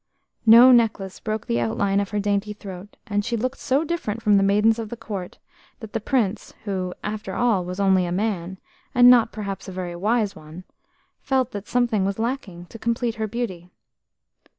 No necklace broke the outline of her dainty throat, and she looked so different from the maidens of the court that the Prince, who, after all, was only a man, and not, perhaps, a very wise one, felt that something was lacking to complete her beauty.